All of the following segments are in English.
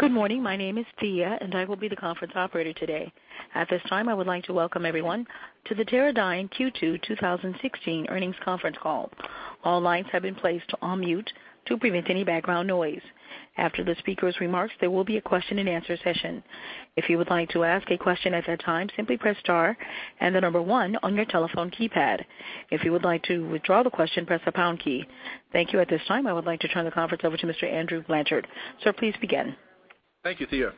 Good morning. My name is Tia, and I will be the conference operator today. At this time, I would like to welcome everyone to the Teradyne Q2 2016 earnings conference call. All lines have been placed on mute to prevent any background noise. After the speaker's remarks, there will be a question and answer session. If you would like to ask a question at that time, simply press star and the number one on your telephone keypad. If you would like to withdraw the question, press the pound key. Thank you. At this time, I would like to turn the conference over to Mr. Andrew Blanchard. Sir, please begin. Thank you, Tia.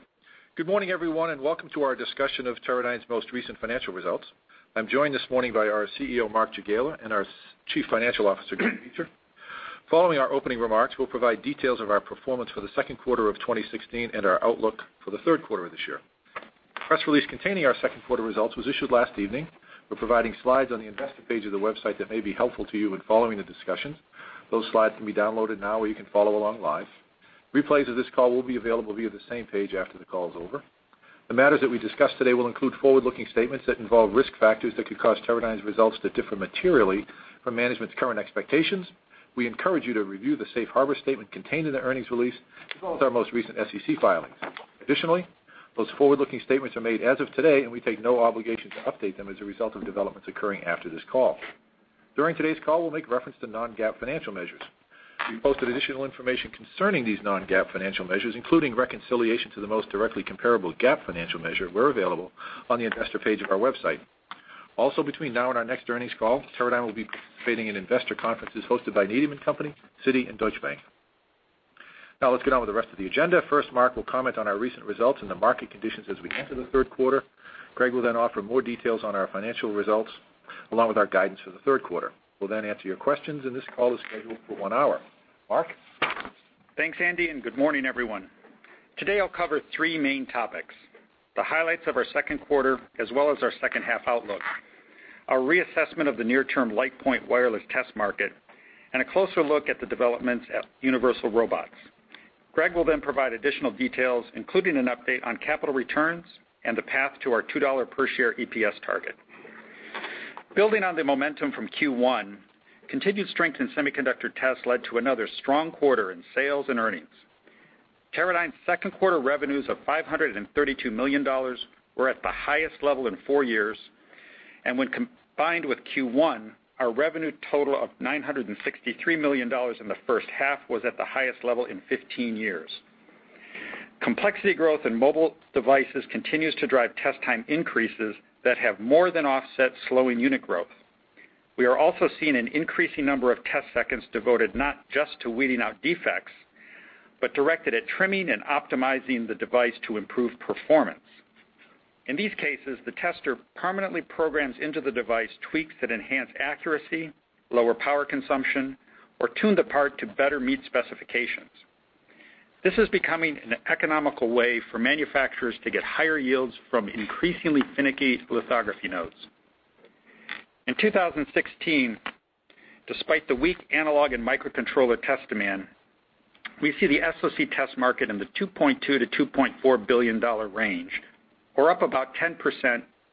Good morning, everyone. Welcome to our discussion of Teradyne's most recent financial results. I'm joined this morning by our CEO, Mark Jagiela, and our Chief Financial Officer, Greg Beecher. Following our opening remarks, we'll provide details of our performance for the second quarter of 2016 and our outlook for the third quarter of this year. Press release containing our second quarter results was issued last evening. We're providing slides on the investor page of the website that may be helpful to you in following the discussion. Those slides can be downloaded now, or you can follow along live. Replays of this call will be available via the same page after the call is over. The matters that we discuss today will include forward-looking statements that involve risk factors that could cause Teradyne's results to differ materially from management's current expectations. We encourage you to review the safe harbor statement contained in the earnings release, as well as our most recent SEC filings. Additionally, those forward-looking statements are made as of today. We take no obligation to update them as a result of developments occurring after this call. During today's call, we'll make reference to non-GAAP financial measures. We posted additional information concerning these non-GAAP financial measures, including reconciliation to the most directly comparable GAAP financial measure, where available on the investor page of our website. Between now and our next earnings call, Teradyne will be participating in investor conferences hosted by Needham & Company, Citi, and Deutsche Bank. Let's get on with the rest of the agenda. First, Mark will comment on our recent results and the market conditions as we enter the third quarter. Greg will then offer more details on our financial results, along with our guidance for the third quarter. We'll then answer your questions. This call is scheduled for one hour. Mark? Thanks, Andy. Good morning, everyone. Today, I'll cover three main topics. The highlights of our second quarter, as well as our second half outlook, our reassessment of the near-term LitePoint wireless test market, and a closer look at the developments at Universal Robots. Greg will provide additional details, including an update on capital returns and the path to our $2 per share EPS target. Building on the momentum from Q1, continued strength in Semiconductor Test led to another strong quarter in sales and earnings. Teradyne's second quarter revenues of $532 million were at the highest level in 4 years, and when combined with Q1, our revenue total of $963 million in the first half was at the highest level in 15 years. Complexity growth in mobile devices continues to drive test time increases that have more than offset slowing unit growth. We are also seeing an increasing number of test seconds devoted not just to weeding out defects, but directed at trimming and optimizing the device to improve performance. In these cases, the tester permanently programs into the device tweaks that enhance accuracy, lower power consumption, or tune the part to better meet specifications. This is becoming an economical way for manufacturers to get higher yields from increasingly finicky lithography nodes. In 2016, despite the weak analog and microcontroller test demand, we see the SoC Test market in the $2.2 billion-$2.4 billion range, or up about 10%,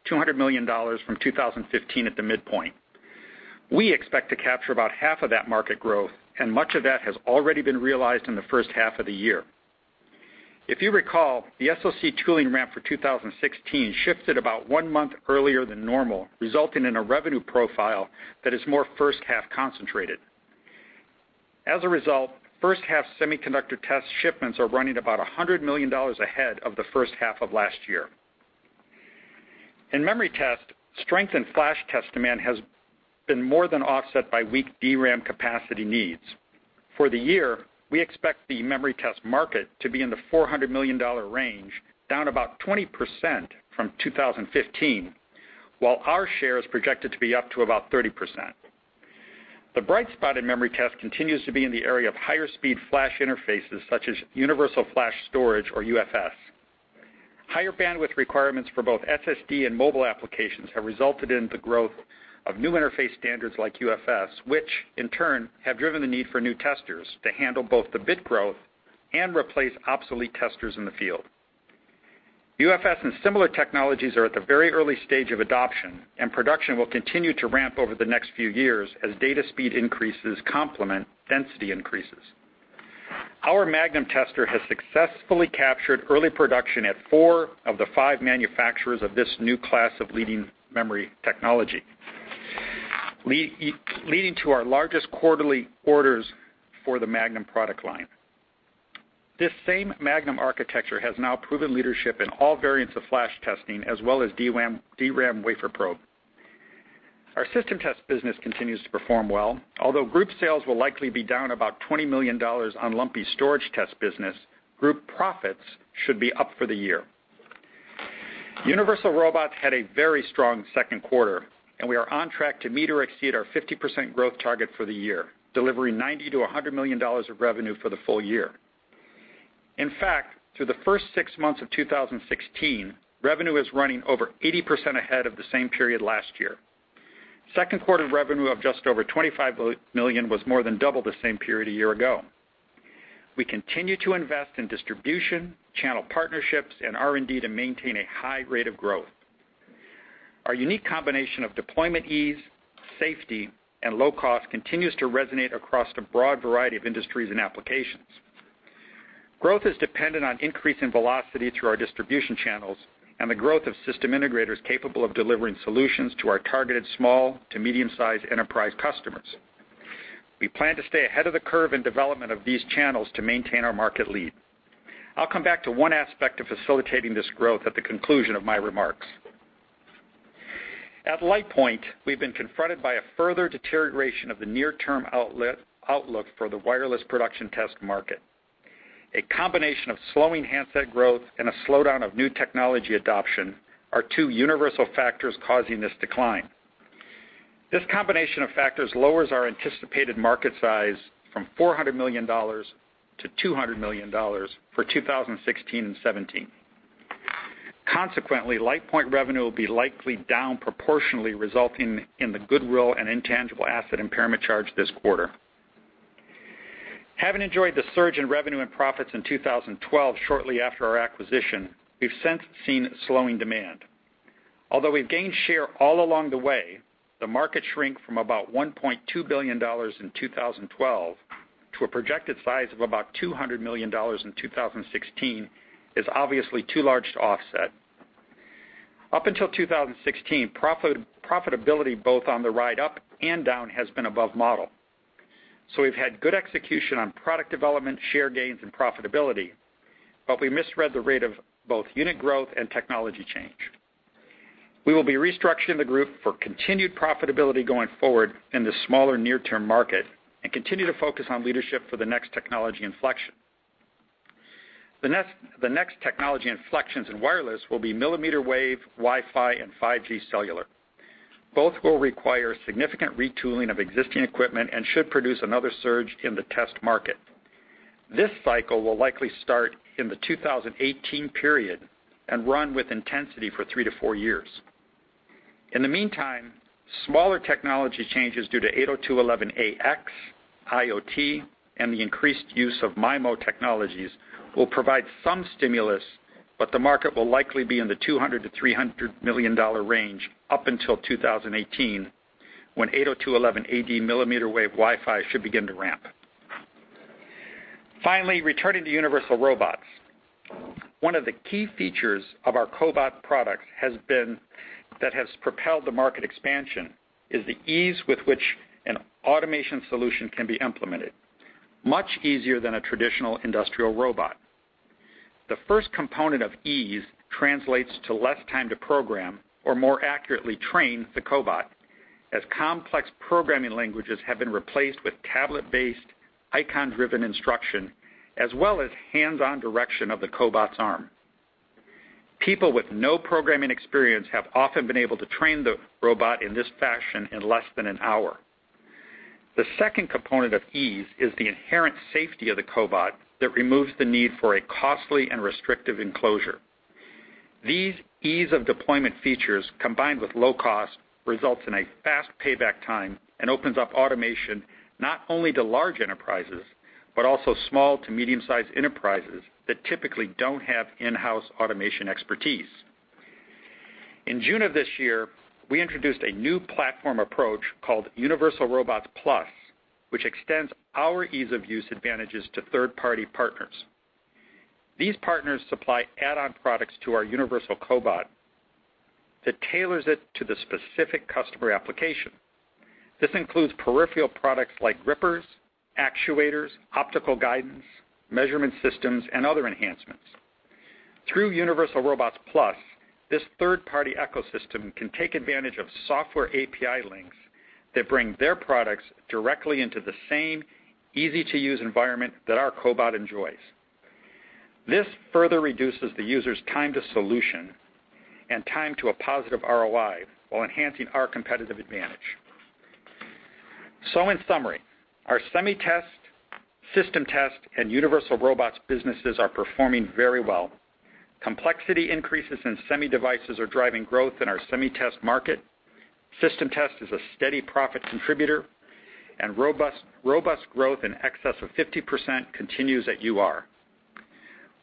$200 million from 2015 at the midpoint. We expect to capture about half of that market growth. Much of that has already been realized in the first half of the year. If you recall, the SoC tooling ramp for 2016 shifted about one month earlier than normal, resulting in a revenue profile that is more first-half concentrated. As a result, first-half Semiconductor Test shipments are running about $100 million ahead of the first half of last year. In memory test, strength in flash test demand has been more than offset by weak DRAM capacity needs. For the year, we expect the memory test market to be in the $400 million range, down about 20% from 2015, while our share is projected to be up to about 30%. The bright spot in memory test continues to be in the area of higher speed flash interfaces, such as Universal Flash Storage or UFS. Higher bandwidth requirements for both SSD and mobile applications have resulted in the growth of new interface standards like UFS, which in turn have driven the need for new testers to handle both the bit growth and replace obsolete testers in the field. UFS and similar technologies are at the very early stage of adoption. Production will continue to ramp over the next few years as data speed increases complement density increases. Our Magnum tester has successfully captured early production at four of the five manufacturers of this new class of leading memory technology, leading to our largest quarterly orders for the Magnum product line. This same Magnum architecture has now proven leadership in all variants of flash testing, as well as DRAM wafer probe. Our system test business continues to perform well. Although group sales will likely be down about $20 million on lumpy storage test business, group profits should be up for the year. Universal Robots had a very strong second quarter. We are on track to meet or exceed our 50% growth target for the year, delivering $90 million-$100 million of revenue for the full year. In fact, through the first six months of 2016, revenue is running over 80% ahead of the same period last year. Second quarter revenue of just over $25 million was more than double the same period a year ago. We continue to invest in distribution, channel partnerships, and R&D to maintain a high rate of growth. Our unique combination of deployment ease, safety, and low cost continues to resonate across a broad variety of industries and applications. Growth is dependent on increase in velocity through our distribution channels and the growth of system integrators capable of delivering solutions to our targeted small to medium-sized enterprise customers. We plan to stay ahead of the curve in development of these channels to maintain our market lead. I will come back to one aspect of facilitating this growth at the conclusion of my remarks. At LitePoint, we have been confronted by a further deterioration of the near-term outlook for the wireless production test market. A combination of slowing handset growth and a slowdown of new technology adoption are two universal factors causing this decline. This combination of factors lowers our anticipated market size from $400 million-$200 million for 2016 and 2017. Consequently, LitePoint revenue will be likely down proportionally, resulting in the goodwill and intangible asset impairment charge this quarter. Having enjoyed the surge in revenue and profits in 2012, shortly after our acquisition, we have since seen slowing demand. Although we have gained share all along the way, the market shrink from about $1.2 billion in 2012 to a projected size of about $200 million in 2016 is obviously too large to offset. Up until 2016, profitability, both on the ride up and down, has been above model. We have had good execution on product development, share gains, and profitability, but we misread the rate of both unit growth and technology change. We will be restructuring the group for continued profitability going forward in the smaller near-term market and continue to focus on leadership for the next technology inflection. The next technology inflections in wireless will be millimeter wave, Wi-Fi, and 5G cellular. Both will require significant retooling of existing equipment and should produce another surge in the test market. This cycle will likely start in the 2018 period and run with intensity for three to four years. In the meantime, smaller technology changes due to 802.11ax, IoT, and the increased use of MIMO technologies will provide some stimulus, but the market will likely be in the $200 million-$300 million range up until 2018, when 802.11ad millimeter wave Wi-Fi should begin to ramp. Returning to Universal Robots. One of the key features of our cobot product that has propelled the market expansion is the ease with which an automation solution can be implemented, much easier than a traditional industrial robot. The first component of ease translates to less time to program, or more accurately, train the cobot, as complex programming languages have been replaced with tablet-based, icon-driven instruction, as well as hands-on direction of the cobot's arm. People with no programming experience have often been able to train the robot in this fashion in less than an hour. The second component of ease is the inherent safety of the cobot that removes the need for a costly and restrictive enclosure. These ease-of-deployment features, combined with low cost, results in a fast payback time and opens up automation not only to large enterprises, but also small to medium-sized enterprises that typically don't have in-house automation expertise. In June of this year, we introduced a new platform approach called Universal Robots+, which extends our ease-of-use advantages to third-party partners. These partners supply add-on products to our Universal cobot that tailors it to the specific customer application. This includes peripheral products like grippers, actuators, optical guidance, measurement systems, and other enhancements. Through Universal Robots+, this third-party ecosystem can take advantage of software API links that bring their products directly into the same easy-to-use environment that our cobot enjoys. This further reduces the user's time to solution and time to a positive ROI while enhancing our competitive advantage. In summary, our SemiTest, System Test, and Universal Robots businesses are performing very well. Complexity increases in semi devices are driving growth in our SemiTest market. System Test is a steady profit contributor. Robust growth in excess of 50% continues at UR.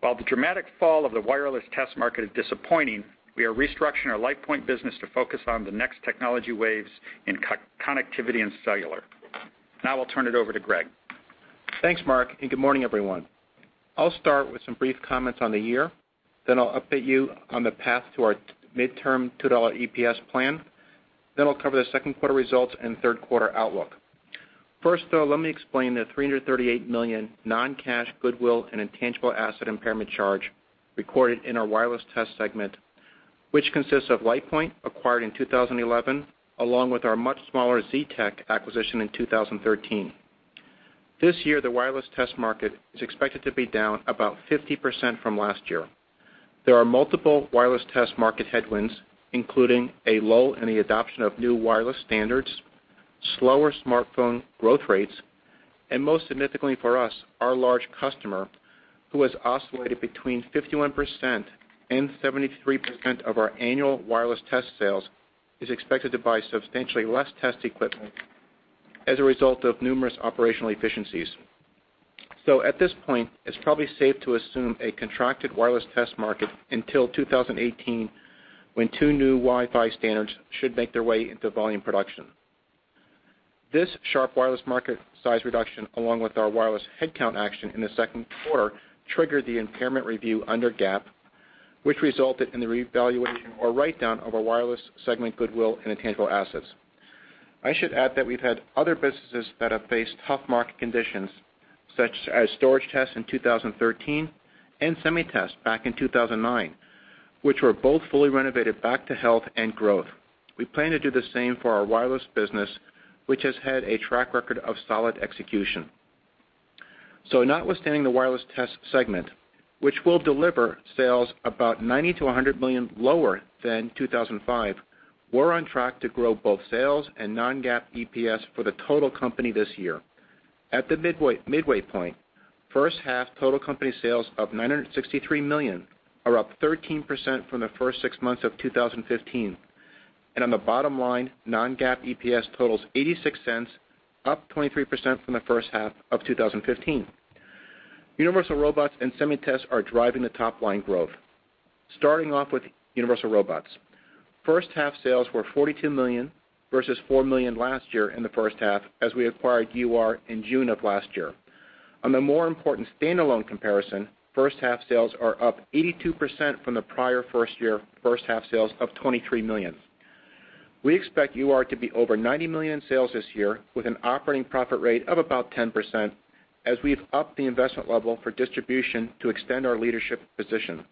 While the dramatic fall of the wireless test market is disappointing, we are restructuring our LitePoint business to focus on the next technology waves in connectivity and cellular. I'll turn it over to Greg. Thanks, Mark, and good morning, everyone. I'll start with some brief comments on the year, I'll update you on the path to our midterm $2 EPS plan. I'll cover the second quarter results and third quarter outlook. First, though, let me explain the $338 million non-cash goodwill and intangible asset impairment charge recorded in our Wireless Test segment, which consists of LitePoint, acquired in 2011, along with our much smaller ZTEC acquisition in 2013. This year, the wireless test market is expected to be down about 50% from last year. There are multiple wireless test market headwinds, including a lull in the adoption of new wireless standards, slower smartphone growth rates, and most significantly for us, our large customer, who has oscillated between 51% and 73% of our annual wireless test sales, is expected to buy substantially less test equipment as a result of numerous operational efficiencies. At this point, it's probably safe to assume a contracted wireless test market until 2018, when two new Wi-Fi standards should make their way into volume production. This sharp wireless market size reduction, along with our wireless headcount action in the second quarter, triggered the impairment review under GAAP, which resulted in the revaluation or write-down of our wireless segment goodwill and intangible assets. I should add that we've had other businesses that have faced tough market conditions, such as storage tests in 2013 and semi tests back in 2009, which were both fully renovated back to health and growth. We plan to do the same for our wireless business, which has had a track record of solid execution. Notwithstanding the wireless test segment, which will deliver sales about $90 million-$100 million lower than 2015, we're on track to grow both sales and non-GAAP EPS for the total company this year. At the midway point, first half total company sales of $963 million are up 13% from the first six months of 2015. On the bottom line, non-GAAP EPS totals $0.86, up 23% from the first half of 2015. Universal Robots and SemiTest are driving the top-line growth. Starting off with Universal Robots. First half sales were $42 million versus $4 million last year in the first half, as we acquired UR in June of last year. On the more important standalone comparison, first half sales are up 82% from the prior first year, first half sales of $23 million. We expect UR to be over $90 million in sales this year, with an operating profit rate of about 10%, as we've upped the investment level for distribution to extend our leadership position.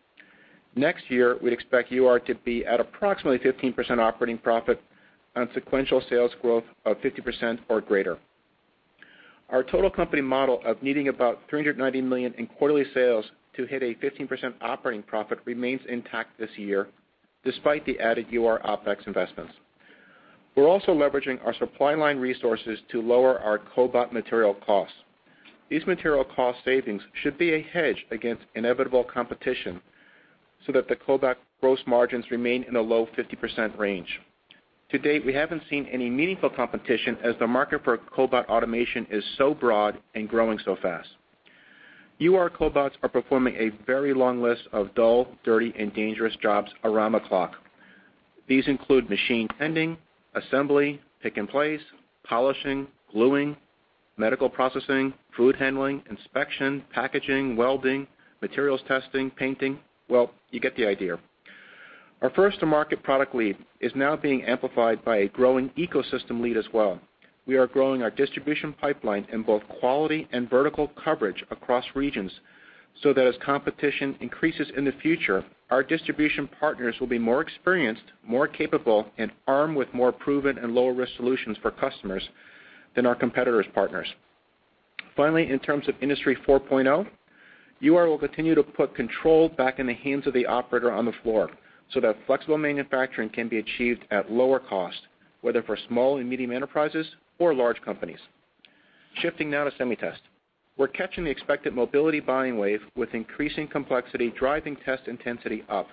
Next year, we'd expect UR to be at approximately 15% operating profit on sequential sales growth of 50% or greater. Our total company model of needing about $390 million in quarterly sales to hit a 15% operating profit remains intact this year, despite the added UR OPEX investments. We're also leveraging our supply line resources to lower our cobot material costs. These material cost savings should be a hedge against inevitable competition, so that the cobot gross margins remain in the low 50% range. To date, we haven't seen any meaningful competition as the market for cobot automation is so broad and growing so fast. UR cobots are performing a very long list of dull, dirty, and dangerous jobs around the clock. These include machine tending, assembly, pick and place, polishing, gluing, medical processing, food handling, inspection, packaging, welding, materials testing, painting. Well, you get the idea. Our first to market product lead is now being amplified by a growing ecosystem lead as well. We are growing our distribution pipeline in both quality and vertical coverage across regions, so that as competition increases in the future, our distribution partners will be more experienced, more capable, and armed with more proven and lower-risk solutions for customers than our competitors' partners. Finally, in terms of Industry 4.0, UR will continue to put control back in the hands of the operator on the floor, so that flexible manufacturing can be achieved at lower cost, whether for small and medium enterprises or large companies. Shifting now to SemiTest. We're catching the expected mobility buying wave, with increasing complexity driving test intensity up.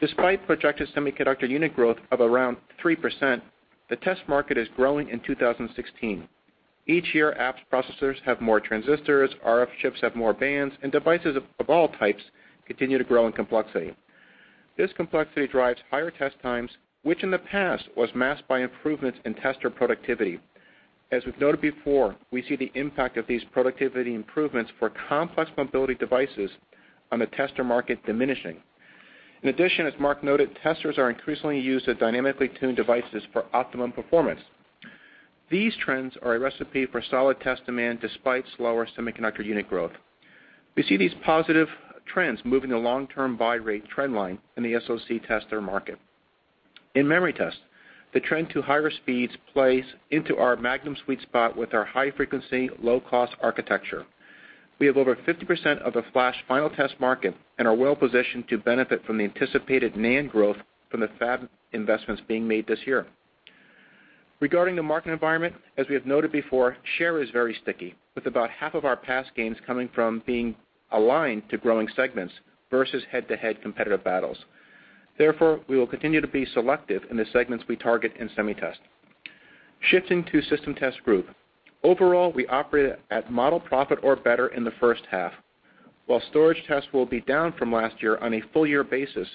Despite projected semiconductor unit growth of around 3%, the test market is growing in 2016. Each year, apps processors have more transistors, RF chips have more bands, and devices of all types continue to grow in complexity. This complexity drives higher test times, which in the past was masked by improvements in tester productivity. As we've noted before, we see the impact of these productivity improvements for complex mobility devices on the tester market diminishing. In addition, as Mark noted, testers are increasingly used as dynamically tuned devices for optimum performance. These trends are a recipe for solid test demand despite slower semiconductor unit growth. We see these positive trends moving the long-term buy rate trend line in the SoC tester market. In memory test, the trend to higher speeds plays into our Magnum sweet spot with our high-frequency, low-cost architecture. We have over 50% of the flash final test market and are well-positioned to benefit from the anticipated NAND growth from the fab investments being made this year. Regarding the market environment, as we have noted before, share is very sticky, with about half of our past gains coming from being aligned to growing segments versus head-to-head competitive battles. Therefore, we will continue to be selective in the segments we target in SemiTest. Shifting to System Test group. Overall, we operate at model profit or better in the first half. While storage test will be down from last year on a full year basis,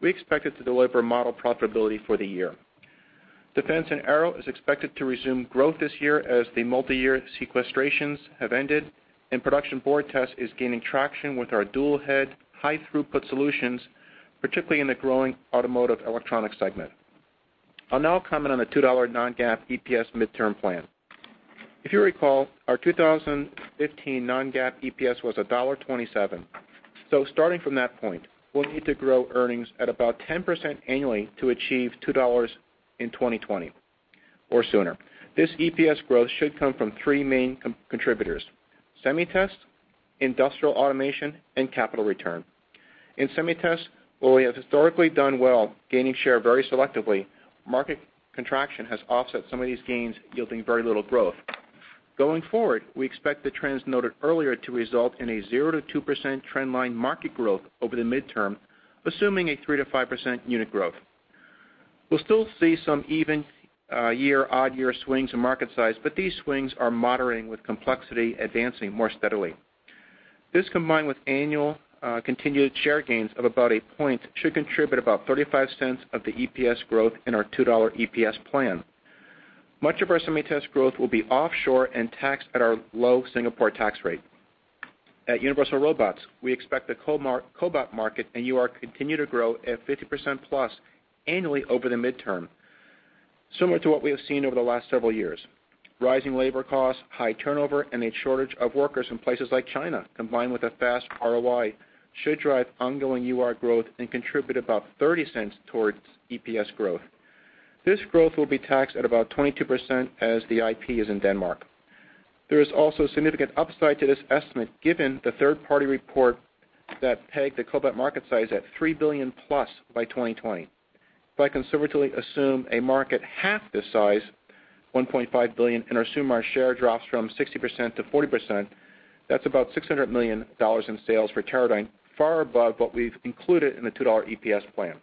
we expect it to deliver model profitability for the year. Defense and Aero is expected to resume growth this year as the multi-year sequestrations have ended, and production board test is gaining traction with our dual head high throughput solutions, particularly in the growing automotive electronic segment. I'll now comment on the $2 non-GAAP EPS midterm plan. If you recall, our 2015 non-GAAP EPS was $1.27. Starting from that point, we'll need to grow earnings at about 10% annually to achieve $2 in 2020 or sooner. This EPS growth should come from three main contributors: SemiTest, industrial automation, and capital return. In SemiTest, while we have historically done well gaining share very selectively, market contraction has offset some of these gains, yielding very little growth. Going forward, we expect the trends noted earlier to result in a 0-2% trend line market growth over the midterm, assuming a 3-5% unit growth. We'll still see some even year, odd year swings in market size, but these swings are moderating with complexity advancing more steadily. This, combined with annual continued share gains of about a point, should contribute about $0.35 of the EPS growth in our $2 EPS plan. Much of our SemiTest growth will be offshore and taxed at our low Singapore tax rate. At Universal Robots, we expect the cobot market and UR continue to grow at 50%+ annually over the midterm, similar to what we have seen over the last several years. Rising labor costs, high turnover, and a shortage of workers in places like China, combined with a fast ROI, should drive ongoing UR growth and contribute about $0.30 towards EPS growth. This growth will be taxed at about 22% as the IP is in Denmark. There is also significant upside to this estimate given the third-party report that pegged the cobot market size at $3 billion+ by 2020. If I conservatively assume a market half this size, $1.5 billion, and assume our share drops from 60%-40%, that's about $600 million in sales for Teradyne, far above what we've included in the $2 EPS plan.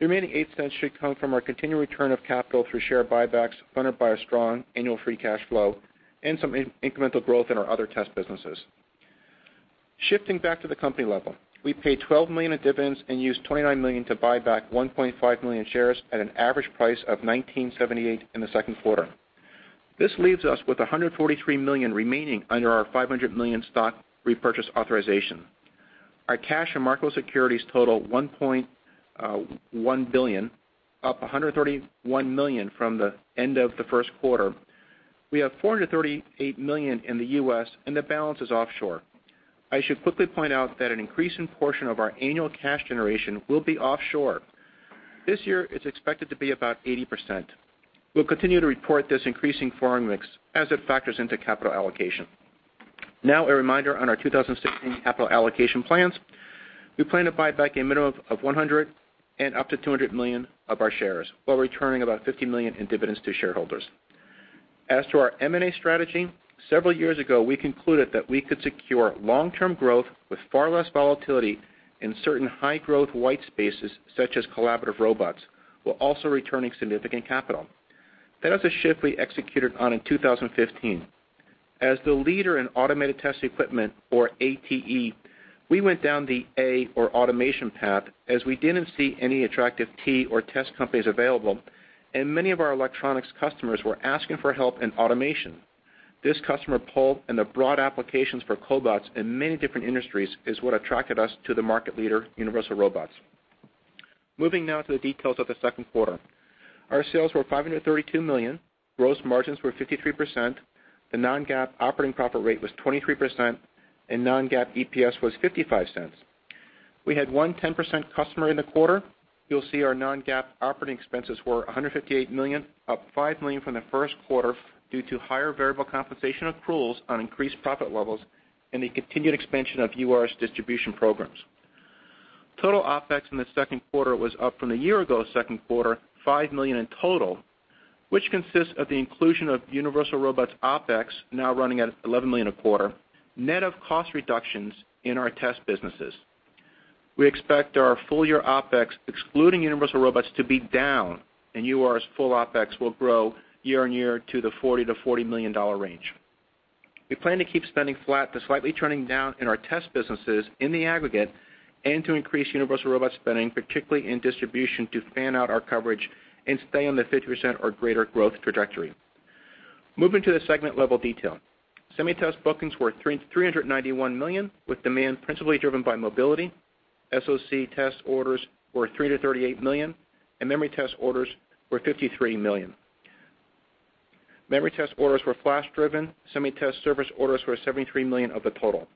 The remaining $0.08 should come from our continued return of capital through share buybacks funded by a strong annual free cash flow and some incremental growth in our other test businesses. Shifting back to the company level, we paid $12 million in dividends and used $29 million to buy back 1.5 million shares at an average price of $19.78 in the second quarter. This leaves us with $143 million remaining under our $500 million stock repurchase authorization. Our cash and marketable securities total $1.1 billion, up $131 million from the end of the first quarter. We have $438 million in the U.S., and the balance is offshore. I should quickly point out that an increasing portion of our annual cash generation will be offshore. This year, it's expected to be about 80%. We'll continue to report this increasing foreign mix as it factors into capital allocation. A reminder on our 2016 capital allocation plans. We plan to buy back a minimum of $100 million and up to $200 million of our shares while returning about $50 million in dividends to shareholders. As to our M&A strategy, several years ago, we concluded that we could secure long-term growth with far less volatility in certain high-growth white spaces, such as collaborative robots, while also returning significant capital. That is a shift we executed on in 2015. As the leader in automated test equipment, or ATE, we went down the A, or automation path, as we didn't see any attractive T, or test companies available, and many of our electronics customers were asking for help in automation. This customer pull and the broad applications for cobots in many different industries is what attracted us to the market leader, Universal Robots. Moving now to the details of the second quarter. Our sales were $532 million. Gross margins were 53%. The non-GAAP operating profit rate was 23%, and non-GAAP EPS was $0.55. We had one 10% customer in the quarter. You'll see our non-GAAP operating expenses were $158 million, up $5 million from the first quarter due to higher variable compensation accruals on increased profit levels and the continued expansion of UR's distribution programs. Total OpEx in the second quarter was up from the year-ago second quarter, $5 million in total, which consists of the inclusion of Universal Robots' OpEx, now running at $11 million a quarter, net of cost reductions in our test businesses. We expect our full-year OpEx, excluding Universal Robots, to be down, and UR's full OpEx will grow year-on-year to the $40 million-$40 million range. We plan to keep spending flat to slightly trending down in our test businesses in the aggregate and to increase Universal Robots spending, particularly in distribution, to fan out our coverage and stay on the 50% or greater growth trajectory. Moving to the segment level detail. SemiTest bookings were $391 million, with demand principally driven by mobility. SoC test orders were $338 million, and memory test orders were $53 million. Memory test orders were flash driven. SemiTest service orders were $73 million of the total.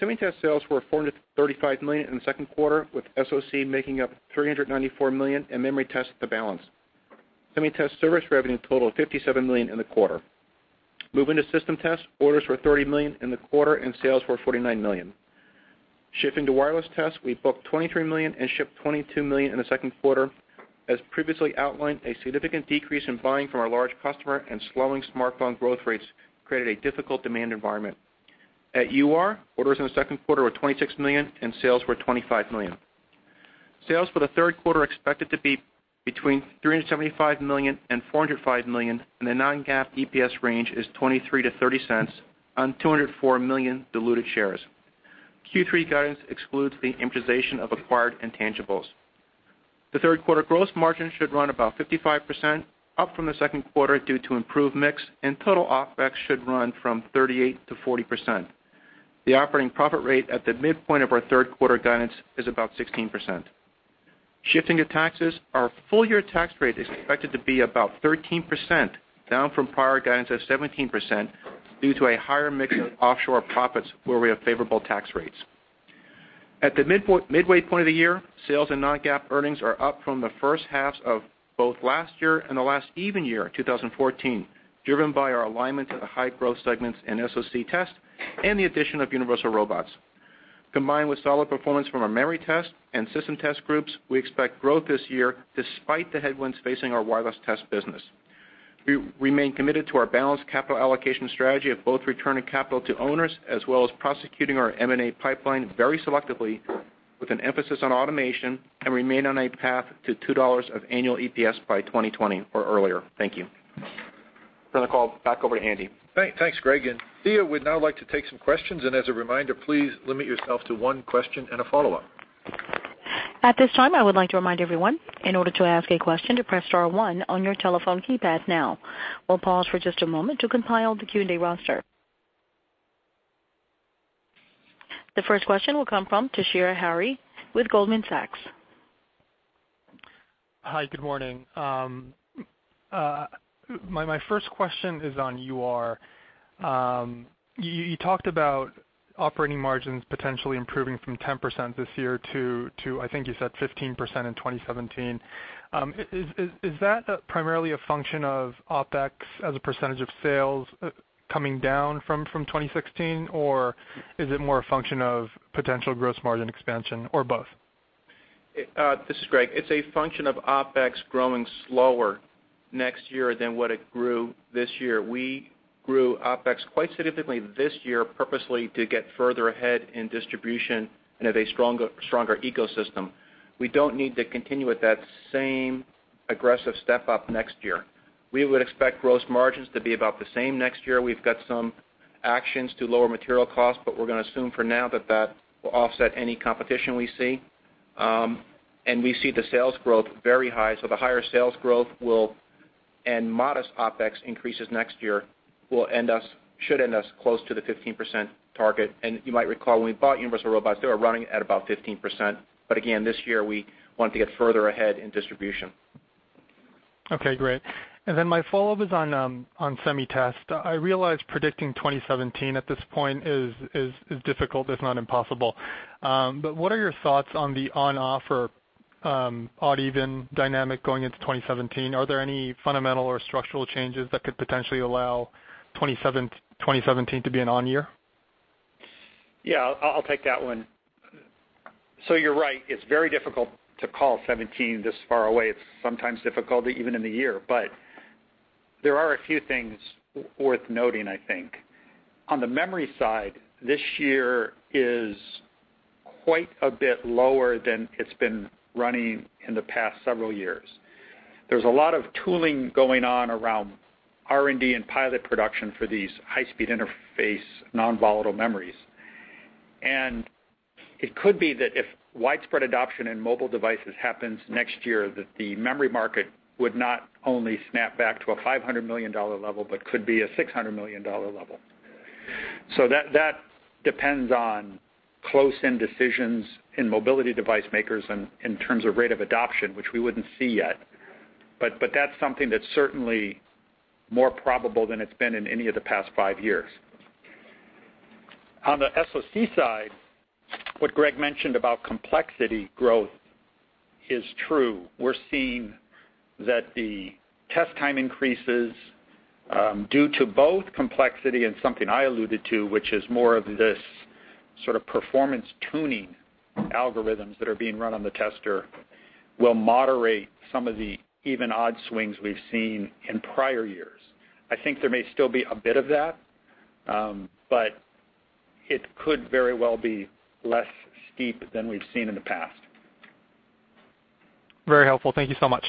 SemiTest sales were $435 million in the second quarter, with SoC making up $394 million and memory test the balance. SemiTest service revenue totaled $57 million in the quarter. Moving to System Test, orders were $30 million in the quarter, and sales were $49 million. Shifting to Wireless Test, we booked $23 million and shipped $22 million in the second quarter. As previously outlined, a significant decrease in buying from our large customer and slowing smartphone growth rates created a difficult demand environment. At UR, orders in the second quarter were $26 million, and sales were $25 million. Sales for the third quarter are expected to be between $375 million and $405 million, and the non-GAAP EPS range is $0.23 to $0.30 on 204 million diluted shares. Q3 guidance excludes the amortization of acquired intangibles. The third quarter gross margin should run about 55%, up from the second quarter due to improved mix, and total OpEx should run from 38% to 40%. The operating profit rate at the midpoint of our third quarter guidance is about 16%. Shifting to taxes, our full-year tax rate is expected to be about 13%, down from prior guidance of 17%, due to a higher mix of offshore profits where we have favorable tax rates. At the midway point of the year, sales and non-GAAP earnings are up from the first halves of both last year and the last even year, 2014, driven by our alignment to the high-growth segments in SoC test and the addition of Universal Robots. Combined with solid performance from our memory test and system test groups, we expect growth this year despite the headwinds facing our wireless test business. We remain committed to our balanced capital allocation strategy of both returning capital to owners as well as prosecuting our M&A pipeline very selectively, with an emphasis on automation, and remain on a path to $2 of annual EPS by 2020 or earlier. Thank you. Turn the call back over to Andy. Thanks, Greg. Tia would now like to take some questions. As a reminder, please limit yourself to one question and a follow-up. At this time, I would like to remind everyone, in order to ask a question, to press star one on your telephone keypad now. We'll pause for just a moment to compile the Q&A roster. The first question will come from Toshiya Hari with Goldman Sachs. Hi, good morning. My first question is on UR. You talked about operating margins potentially improving from 10% this year to, I think you said 15% in 2017. Is that primarily a function of OpEx as a percentage of sales coming down from 2016, or is it more a function of potential gross margin expansion, or both? This is Greg. It's a function of OpEx growing slower next year than what it grew this year. We grew OpEx quite significantly this year, purposely, to get further ahead in distribution and have a stronger ecosystem. We don't need to continue at that same aggressive step-up next year. We would expect gross margins to be about the same next year. We've got some actions to lower material costs, but we're going to assume for now that that will offset any competition we see. We see the sales growth very high. The higher sales growth and modest OpEx increases next year should end us close to the 15% target. You might recall, when we bought Universal Robots, they were running at about 15%. Again, this year, we wanted to get further ahead in distribution. Okay, great. My follow-up is on SemiTest. I realize predicting 2017 at this point is difficult, if not impossible. What are your thoughts on the on/off or odd/even dynamic going into 2017? Are there any fundamental or structural changes that could potentially allow 2017 to be an on year? Yeah, I'll take that one. You're right, it's very difficult to call 2017 this far away. It's sometimes difficult even in the year. There are a few things worth noting, I think. On the memory side, this year is quite a bit lower than it's been running in the past several years. There's a lot of tooling going on around R&D and pilot production for these high-speed interface non-volatile memories. It could be that if widespread adoption in mobile devices happens next year, that the memory market would not only snap back to a $500 million level but could be a $600 million level. That depends on close-end decisions in mobility device makers in terms of rate of adoption, which we wouldn't see yet. That's something that's certainly more probable than it's been in any of the past five years. On the SoC side, what Greg mentioned about complexity growth is true. We're seeing that the test time increases, due to both complexity and something I alluded to, which is more of this sort of performance tuning algorithms that are being run on the tester, will moderate some of the even/odd swings we've seen in prior years. I think there may still be a bit of that, but it could very well be less steep than we've seen in the past. Very helpful. Thank you so much.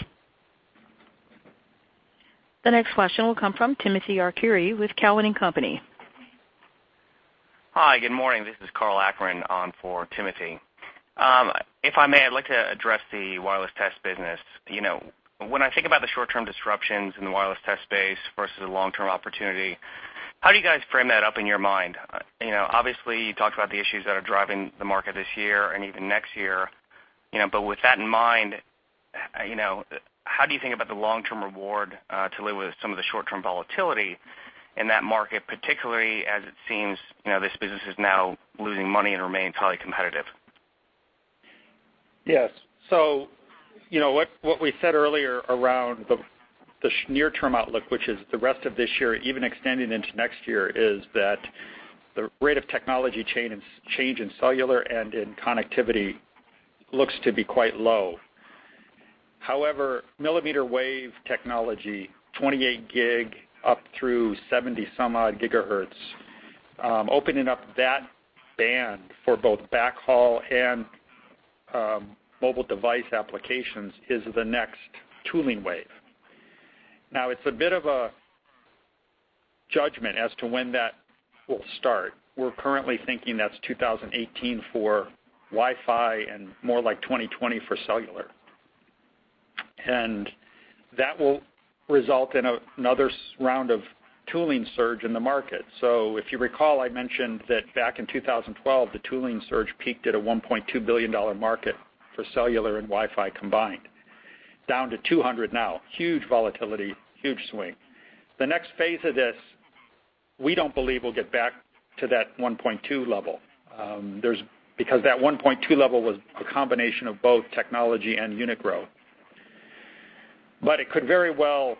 The next question will come from Timothy Arcuri with Cowen and Company. Hi, good morning. This is Karl Ackerman on for Timothy. If I may, I'd like to address the wireless test business. When I think about the short-term disruptions in the wireless test space versus the long-term opportunity, how do you guys frame that up in your mind? Obviously, you talked about the issues that are driving the market this year and even next year, but with that in mind, how do you think about the long-term reward to live with some of the short-term volatility in that market, particularly as it seems this business is now losing money and remains highly competitive? Yes. What we said earlier around the near-term outlook, which is the rest of this year, even extending into next year, is that the rate of technology change in cellular and in connectivity looks to be quite low. However, millimeter wave technology, 28 gig up through 70 some odd gigahertz, opening up that band for both backhaul and mobile device applications is the next tooling wave. It's a bit of a judgment as to when that will start. We're currently thinking that's 2018 for Wi-Fi and more like 2020 for cellular. That will result in another round of tooling surge in the market. If you recall, I mentioned that back in 2012, the tooling surge peaked at a $1.2 billion market for cellular and Wi-Fi combined, down to $200 million now. Huge volatility, huge swing. The next phase of this, we don't believe will get back to that 1.2 level, because that 1.2 level was a combination of both technology and unit growth. It could very well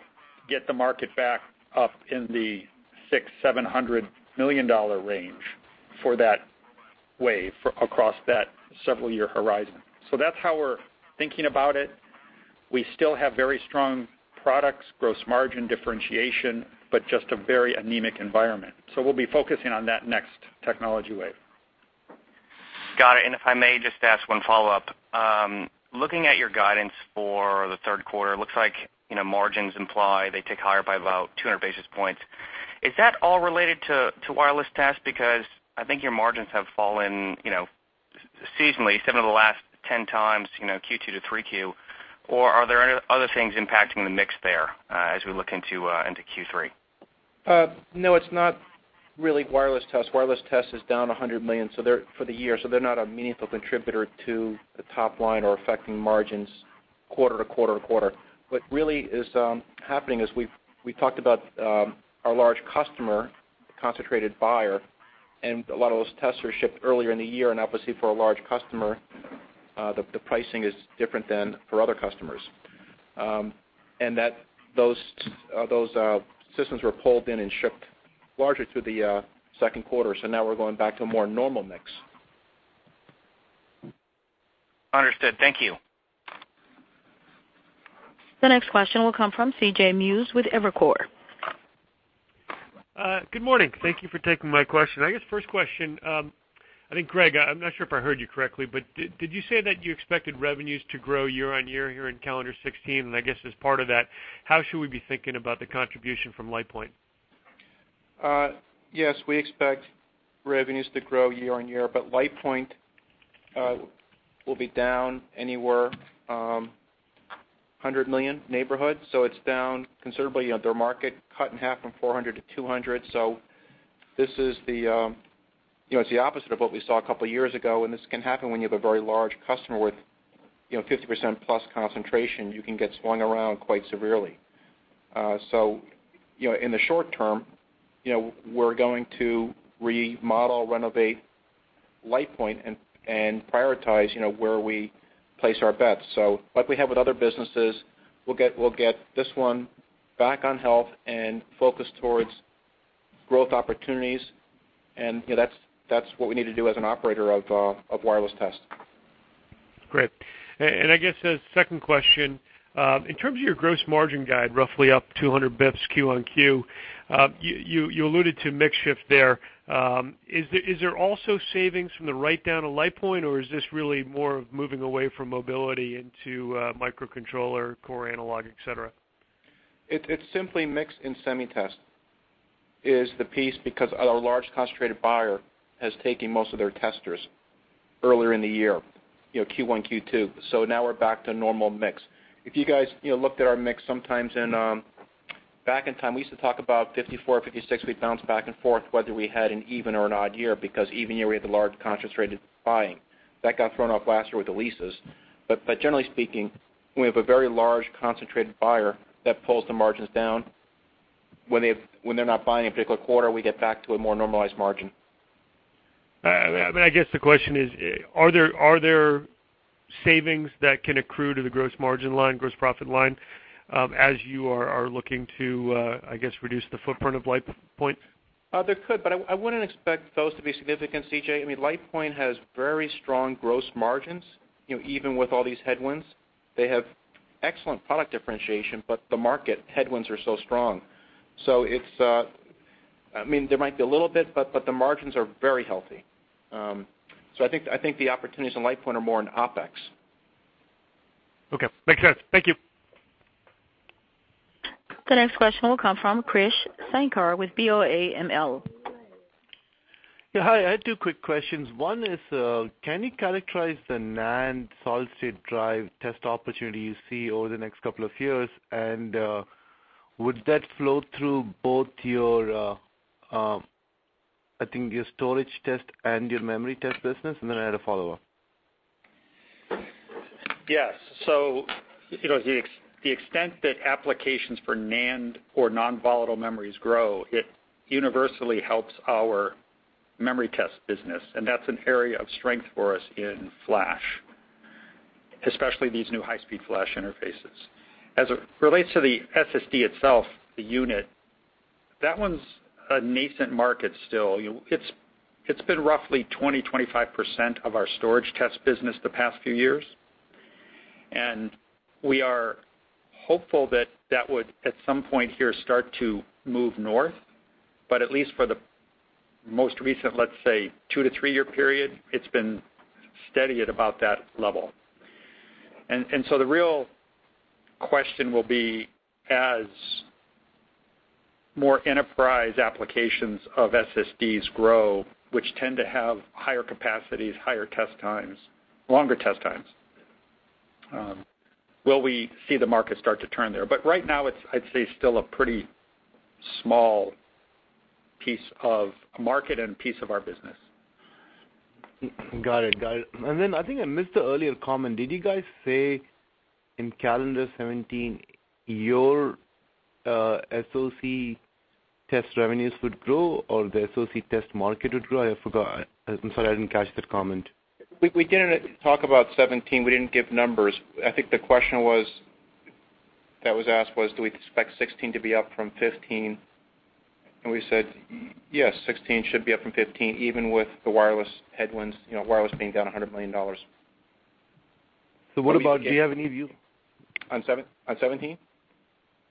get the market back up in the $600 million, $700 million range for that Wave across that several-year horizon. That's how we're thinking about it. We still have very strong products, gross margin differentiation, but just a very anemic environment. We'll be focusing on that next technology wave. Got it. If I may just ask one follow-up. Looking at your guidance for the third quarter, it looks like margins imply they tick higher by about 200 basis points. Is that all related to wireless tests? Because I think your margins have fallen seasonally seven of the last 10 times, Q2 to Q3. Are there other things impacting the mix there, as we look into Q3? No, it's not really wireless tests. Wireless tests is down $100 million for the year, so they're not a meaningful contributor to the top line or affecting margins quarter to quarter to quarter. What really is happening is we've talked about our large customer, concentrated buyer, and a lot of those tests were shipped earlier in the year. Obviously for a large customer, the pricing is different than for other customers. Those systems were pulled in and shipped largely through the second quarter, so now we're going back to a more normal mix. Understood. Thank you. The next question will come from CJ Muse with Evercore. Good morning. Thank you for taking my question. I guess first question, I think, Greg, I'm not sure if I heard you correctly, but did you say that you expected revenues to grow year-on-year here in calendar 2016? I guess as part of that, how should we be thinking about the contribution from LitePoint? We expect revenues to grow year-over-year, but LitePoint will be down anywhere, $100 million neighborhood. It's down considerably. Their market cut in half from $400 million to $200 million. It's the opposite of what we saw a couple of years ago, and this can happen when you have a very large customer with 50%-plus concentration. You can get swung around quite severely. In the short term, we're going to remodel, renovate LitePoint, and prioritize where we place our bets. Like we have with other businesses, we'll get this one back on health and focus towards growth opportunities. That's what we need to do as an operator of wireless tests. Great. I guess the second question, in terms of your gross margin guide, roughly up 200 basis points quarter-over-quarter, you alluded to mix shift there. Is there also savings from the write-down of LitePoint, or is this really more of moving away from mobility into microcontroller, core analog, et cetera? It's simply mix in SemiTest is the piece, because our large concentrated buyer has taken most of their testers earlier in the year, Q1, Q2. Now we're back to normal mix. If you guys looked at our mix sometimes back in time, we used to talk about 54% or 56%. We'd bounce back and forth whether we had an even or an odd year, because even year, we had the large concentrated buying. That got thrown off last year with the leases. Generally speaking, when we have a very large concentrated buyer, that pulls the margins down. When they're not buying a particular quarter, we get back to a more normalized margin. I guess the question is: Are there savings that can accrue to the gross margin line, gross profit line, as you are looking to, I guess, reduce the footprint of LitePoint? There could. I wouldn't expect those to be significant, CJ. LitePoint has very strong gross margins, even with all these headwinds. They have excellent product differentiation. The market headwinds are so strong. There might be a little bit. The margins are very healthy. I think the opportunities in LitePoint are more in OpEx. Okay. Makes sense. Thank you. The next question will come from Krish Sankar with BAML. Yeah, hi. I had two quick questions. One is, can you characterize the NAND solid-state drive test opportunity you see over the next couple of years? Would that flow through both your, I think your storage test and your memory test business? I had a follow-up. The extent that applications for NAND or non-volatile memories grow, it universally helps our memory test business, and that's an area of strength for us in flash, especially these new high-speed flash interfaces. As it relates to the SSD itself, the unit, that one's a nascent market still. It's been roughly 20%-25% of our storage test business the past few years. We are hopeful that that would, at some point here, start to move north. At least for the most recent, let's say, two- to three-year period, it's been steady at about that level. The real question will be, as more enterprise applications of SSDs grow, which tend to have higher capacities, higher test times, longer test times, will we see the market start to turn there? Right now, it's, I'd say, still a pretty small piece of market and piece of our business. Got it. I think I missed the earlier comment. Did you guys say in calendar 2017, your SoC test revenues would grow, or the SoC test market would grow? I forgot. I'm sorry, I didn't catch that comment. We didn't talk about 2017. We didn't give numbers. I think the question was, do we expect 2016 to be up from 2015? We said, yes, 2016 should be up from 2015, even with the wireless headwinds, wireless being down $100 million. What about, do you have any view? On 2017?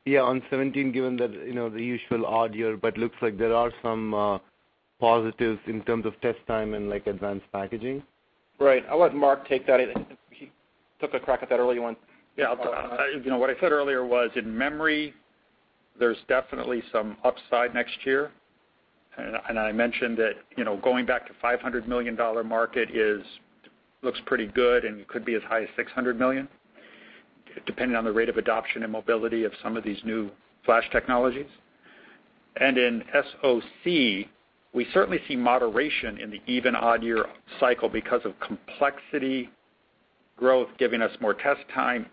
Yeah, on 2017, given that, the usual odd year, looks like there are some positives in terms of test time and advanced packaging. Right. I'll let Mark take that. He took a crack at that early one. Yeah. What I said earlier was, in memory, there's definitely some upside next year. I mentioned that, going back to $500 million market looks pretty good, and could be as high as $600 million, depending on the rate of adoption and mobility of some of these new flash technologies. In SoC, we certainly see moderation in the even odd year cycle because of complexity growth giving us more test time,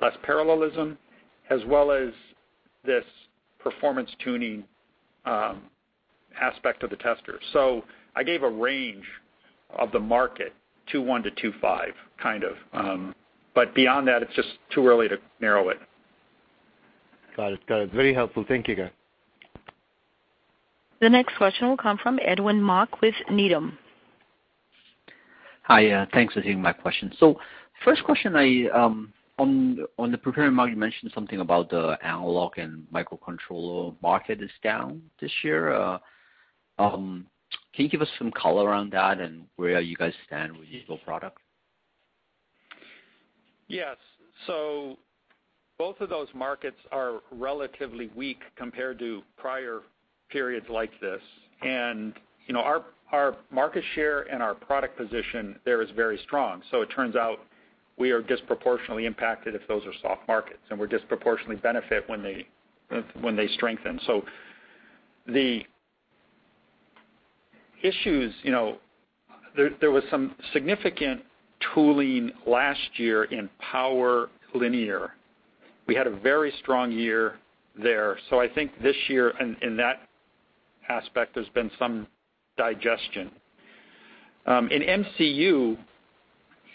less parallelism, as well as this performance tuning aspect of the tester. I gave a range of the market, $2.1 billion-$2.5 billion, kind of. Beyond that, it's just too early to narrow it. Got it. Very helpful. Thank you guys. The next question will come from Edwin Mok with Needham. Hi. Thanks for taking my question. First question, on the prepared remarks, you mentioned something about the analog and microcontroller market is down this year. Can you give us some color around that and where you guys stand with your product? Yes. Both of those markets are relatively weak compared to prior periods like this. Our market share and our product position there is very strong. It turns out we are disproportionately impacted if those are soft markets, and we're disproportionately benefit when they strengthen. The issues, there was some significant tooling last year in power linear. We had a very strong year there. I think this year, in that aspect, there's been some digestion. In MCU,